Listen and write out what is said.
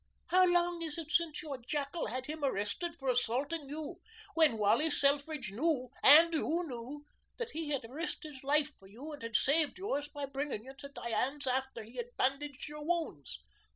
How long is it since your jackal had him arrested for assaulting you when Wally Selfridge knew and you knew that he had risked his life for you and had saved yours by bringing you to Diane's after he had bandaged your wounds?"